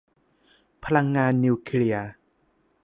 พลังงานนิวเคลียร์